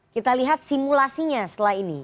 kita lihat simulasinya setelah ini